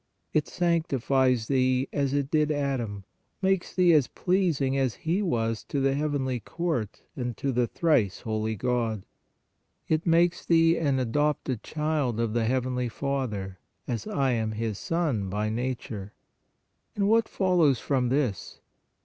It sanctifies thee as it did Adam, makes thee as pleasing as he was to the heavenly court and to the thrice Holy God. It makes thee an adopted child of the heavenly Father, as I am His Son by nature." " And what follows from this